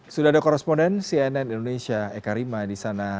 sudah ada koresponden cnn indonesia ekarima disana